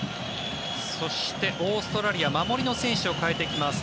そして、オーストラリア守りの選手を代えてきます。